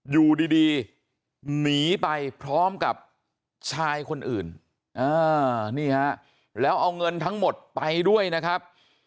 อยู่ดีหนีไปพร้อมกับชายคนอื่นนี่ฮะแล้วเอาเงินทั้งหมดไปด้วยนะครับ